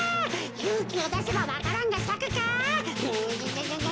ゆうきをだせばわか蘭がさくか？